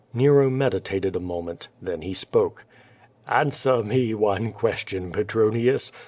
Nero meditated a moment. Then he spoke. I "Answer me one question, Petronius.